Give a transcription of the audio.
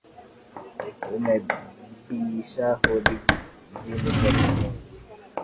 umebisha hodi jijini portal prince